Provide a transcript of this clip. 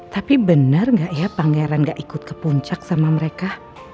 tapi benar nggak ya pangeran gak ikut ke puncak sama mereka